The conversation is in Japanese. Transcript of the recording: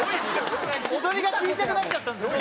踊りがちいちゃくなっちゃったんですね。